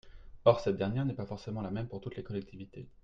Or cette dernière n’est pas forcément la même pour toutes les collectivités.